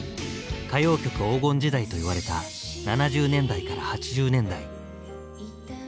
歌謡曲黄金時代といわれた７０年代から８０年代。